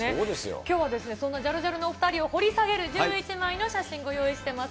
きょうはそんなジャルジャルのお２人を掘り下げる１１枚の写真ご用意してます。